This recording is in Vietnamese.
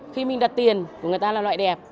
khi mình đặt tiền của người ta là loại đẹp